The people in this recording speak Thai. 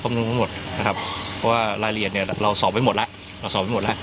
เพราะว่ารายละเอียดเราสอบไว้หมดแล้ว